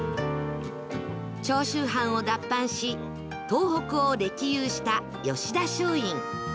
長州藩を脱藩し東北を歴遊した吉田松陰